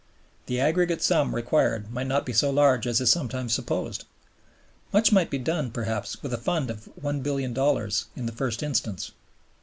The aggregate sum required might not be so large as is sometimes supposed. Much might be done, perhaps, with a fund of $1,000,000,000 in the first instance.